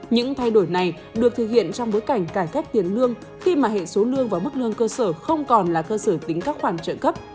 những thay đổi này được thực hiện trong bối cảnh cải cách tiền lương khi mà hệ số lương và mức lương cơ sở không còn là cơ sở tính các khoản trợ cấp